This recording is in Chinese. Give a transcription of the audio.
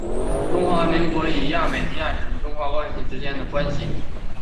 中华民国与亚美尼亚关系是指中华民国与亚美尼亚共和国之间的关系。